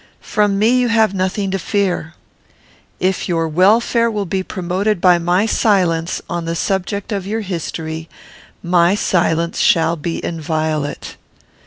"From me you have nothing to fear. If your welfare will be promoted by my silence on the subject of your history, my silence shall be inviolate.